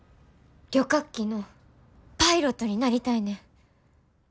旅客機のパイロットになりたいねん。